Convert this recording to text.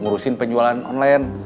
ngurusin penjualan online